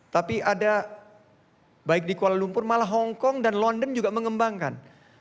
tapi ada baik di kuala lumpur malah hongkong dan london juga mengembangkan